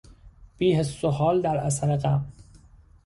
بیحس و حال در اثر غم